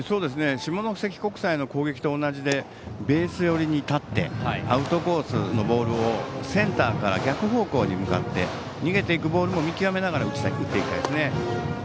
下関国際の攻撃と同じでベース寄りに立ってアウトコースのボールをセンターから逆方向に向かって逃げていくボールも見極めながら打っていきたいですね。